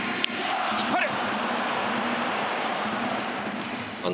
引っ張る。